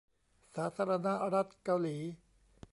สาธารณรัฐเกาหลี